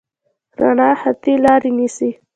رڼا خطي لاره نیسي.